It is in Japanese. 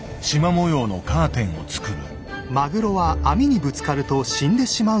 模様のカーテンを作る。